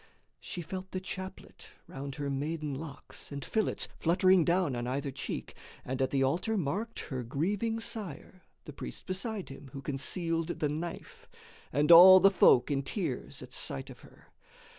She felt the chaplet round her maiden locks And fillets, fluttering down on either cheek, And at the altar marked her grieving sire, The priests beside him who concealed the knife, And all the folk in tears at sight of her.